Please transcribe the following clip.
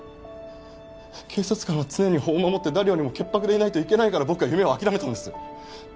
警察官は常に法を守って誰よりも潔白でいないといけないから僕は夢を諦めたんです！